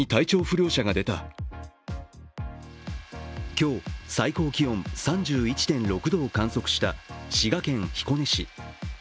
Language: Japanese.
今日、最高気温３１．６度を観測した滋賀県彦根市。